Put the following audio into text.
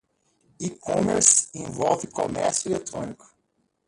E-commerce envolve comércio eletrônico.